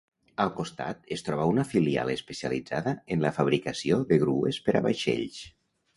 Al costat es troba una filial especialitzada en la fabricació de grues per a vaixells.